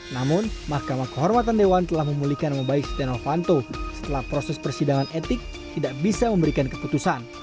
namun mahkamah kehormatan dewan telah memulihkan membaik setianowanto setelah proses persidangan etik tidak bisa memberikan keputusan